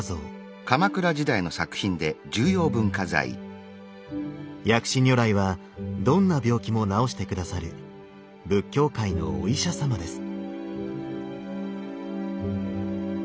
ご本尊薬師如来はどんな病気も治して下さる仏教界のお医者様です。